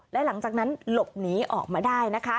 และหลังจากนั้นหลบหนีออกมาได้นะคะ